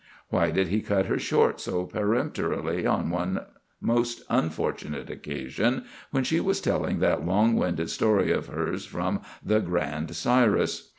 Why did he cut her short so peremptorily on one most unfortunate occasion when she was telling that long winded story of hers from "The Grand Cyrus"?